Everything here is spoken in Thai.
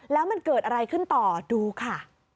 แล้วมันเกิดอะไรขึ้นต่อดูค่ะ